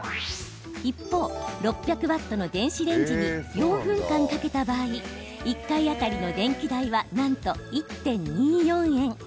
一方６００ワットの電子レンジに４分間かけた場合１回当たりの電気代はなんと１．２４円。